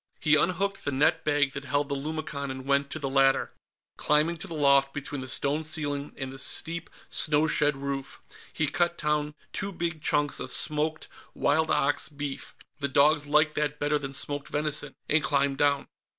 He unhooked the net bag that held the lumicon and went to the ladder, climbing to the loft between the stone ceiling and the steep snow shed roof; he cut down two big chunks of smoked wild ox beef the dogs liked that better than smoked venison and climbed down.